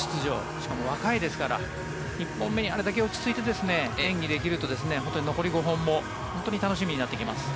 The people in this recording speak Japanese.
しかも若いですから１本目にあれだけ落ち着いて演技できると、本当に残り５本も楽しみになってきます。